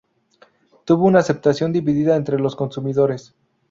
Tuvo una aceptación dividida entre los consumidores.